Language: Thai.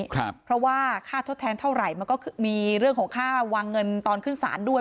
เพราะว่าค่าทดแทนเท่าไหร่มันก็มีเรื่องของค่าวางเงินตอนขึ้นศาลด้วย